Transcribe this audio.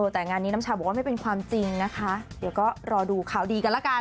แต่งานนี้น้ำชาบอกว่าไม่เป็นความจริงนะคะเดี๋ยวก็รอดูข่าวดีกันละกัน